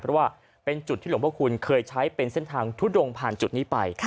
เพราะว่าเป็นจุดที่หลวงพระคุณเคยใช้เป็นเส้นทางทุดงผ่านจุดนี้ไป